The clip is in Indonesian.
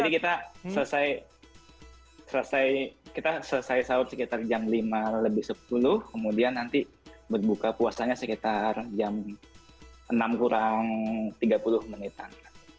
kita selesai kita selesai sahur sekitar jam lima lebih sepuluh kemudian nanti berbuka puasanya sekitar jam enam kurang tiga puluh menitan